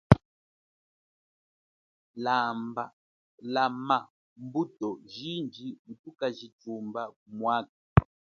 Lama mbuto aji muthukajithumba ku mwaka.